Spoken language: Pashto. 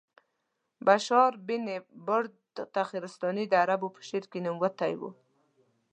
بشار بن برد تخارستاني د عربو په شعر کې نوموتی و.